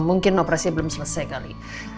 mungkin operasi belum selesai kali